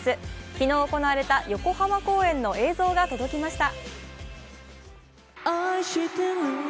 昨日行われた横浜公演の映像が届きました。